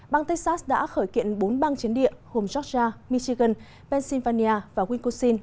bang texas đã khởi kiện bốn bang chiến địa gồm georgia michigan pennsylvania và wiscosin